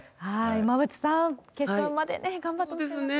馬渕さん、決勝までね、頑張ってほしいですね。